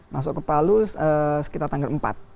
masuk ke palu sekitar tanggal empat